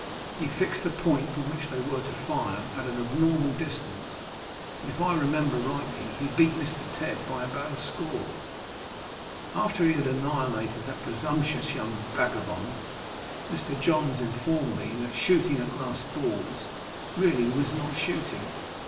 He fixed the point from which they were to fire at an abnormal distance, and, if I remember rightly, he beat Mr. Tebb by about a score. After he had annihilated that presumptuous young vagabond, Mr. Johns informed me that shooting at glass balls really was not shooting.